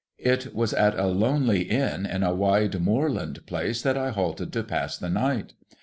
It was at a lonely Inn in a wide moorland place, that I halted to pass the night.